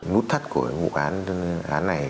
nút thắt của vụ án này